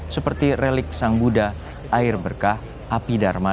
seperti relik sang buddha air berkah api dharma